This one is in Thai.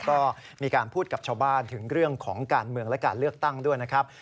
ก็มีการพูดกับชาวบ้านถึงเรื่องของการเมืองและการเลือกตั้งด้วยนะครับ